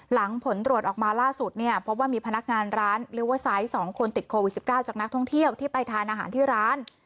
หลังผลตรวจออกมาล่าสุดเนี่ยพบว่ามีพนักงานร้านลิเวอร์ไซต์๒คนติดโควิด๑๙จากนักท่องเที่ยวที่ไปทานอาหารที่ร้าน